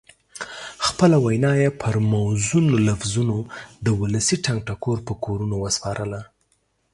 خپله وینا یې پر موزونو لفظونو د ولسي ټنګ ټکور په کورونو وسپارله.